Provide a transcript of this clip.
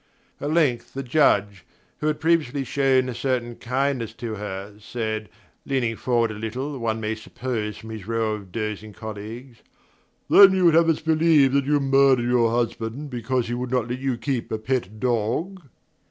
At length the Judge who had previously shown a certain kindness to her said (leaning forward a little, one may suppose, from his row of dozing colleagues): "Then you would have us believe that you murdered your husband because he would not let you keep a pet dog?"